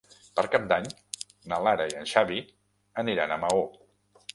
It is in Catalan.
Per Cap d'Any na Lara i en Xavi aniran a Maó.